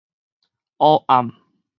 烏暗